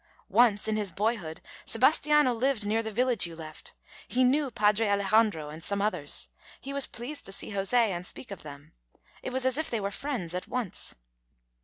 Once, in his boyhood, Sebastiano lived near the village you left; he knew Padre Alejandro and some others; he was pleased to see José and speak of them it was as if they were friends at once."